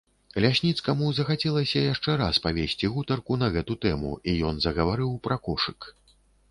Лясніцкаму захацелася яшчэ раз павесці гутарку на гэту тэму, і ён загаварыў пра кошык.